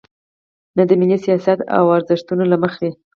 نه د ملي سیاست او ارزښتونو له مخې.